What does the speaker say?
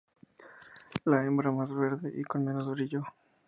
La hembra es más verde y con menos brillo.